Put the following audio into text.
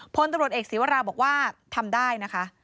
พตรเอกศีวราก็บอกว่าทำได้นะคะ